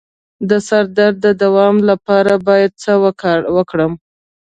د سر درد د دوام لپاره باید څه وکړم؟